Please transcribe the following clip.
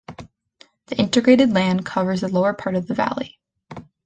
The irrigated land covers the lower part of the valley.